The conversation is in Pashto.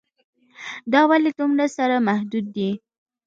دا ولې دومره سره محدود دي.